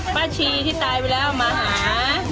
ชีที่ตายไปแล้วมาหา